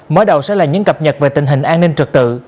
mới đầu sẽ là những cập nhật về tình hình an ninh trật tự